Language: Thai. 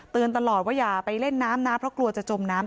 ตลอดว่าอย่าไปเล่นน้ำนะเพราะกลัวจะจมน้ำ